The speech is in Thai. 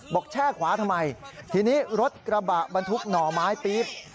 แช่ขวาทำไมทีนี้รถกระบะบรรทุกหน่อไม้ปี๊บ